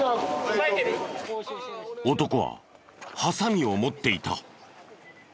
男はハサミを持っていた。